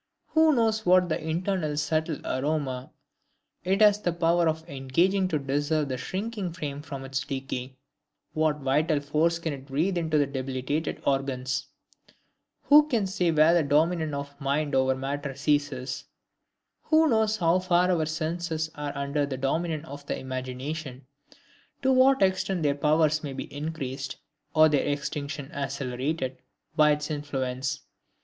Who knows what internal subtle aroma it has the power of disengaging to preserve the sinking frame from decay; what vital force it can breathe into the debilitated organs? Who can say where the dominion of mind over matter ceases? Who knows how far our senses are under the dominion of the imagination, to what extent their powers may be increased, or their extinction accelerated, by its influence?